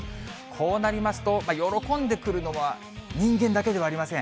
こうなりますと、喜んでくるのは人間だけではありません。